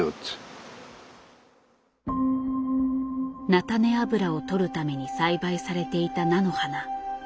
菜種油をとるために栽培されていた菜の花。